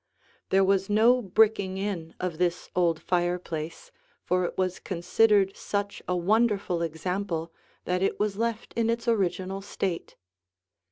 There was no bricking in of this old fireplace, for it was considered such a wonderful example that it was left in its original state.